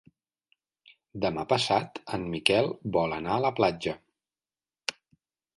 Demà passat en Miquel vol anar a la platja.